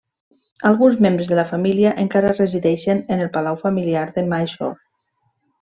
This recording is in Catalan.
Alguns membres de la família encara resideixen en el palau familiar de Mysore.